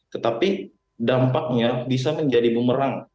tetapi dampaknya bisa menjadi bumerang